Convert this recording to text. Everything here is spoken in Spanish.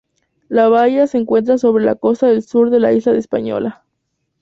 La bahía se encuentra sobre la costa sur de la isla de La Española.